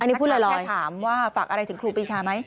นักการาแท้ถามว่าฝากอะไรถึงครูปีชาไหม